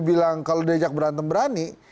bilang kalau diajak berantem berani